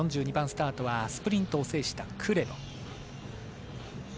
４２番スタートはスプリントを制したクレボ。